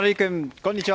こんにちは。